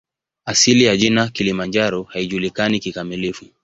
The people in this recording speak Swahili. Asili ya jina "Kilimanjaro" haijulikani kikamilifu.